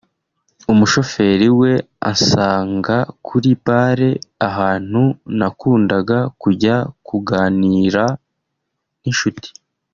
umushoferi we ansanga kuri bar ahantu nakundaga kujya kuganira n’inshuti